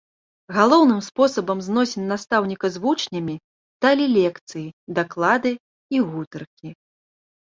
Галоўным спосабам зносін настаўніка з вучнямі сталі лекцыі, даклады і гутаркі.